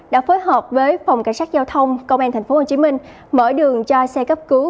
đã phối hợp với phòng cảnh sát giao thông công an tp hcm mở đường cho xe cấp cứu